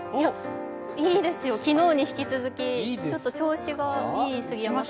いいですよ、昨日に引き続き、ちょっと調子がいい杉山さん。